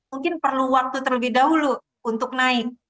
mungkin perlu waktu terlebih dahulu untuk naik